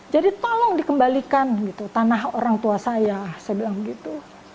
jadi tolong dikembalikan gitu tanah orang tua saya saya bilang gitu